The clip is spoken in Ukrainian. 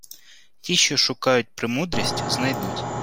Ті, що шукають премудрість, – знайдуть.